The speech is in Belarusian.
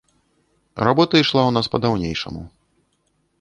Работа ішла ў нас па-даўнейшаму.